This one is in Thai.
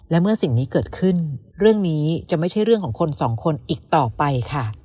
และเมื่อสิ่งนี้เกิดขึ้นเรื่องนี้จะไม่ใช่เรื่องของคนสองคนอีกต่อไปค่ะ